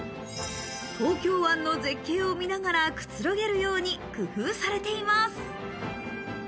東京湾の絶景を見ながら、くつろげるように工夫されています。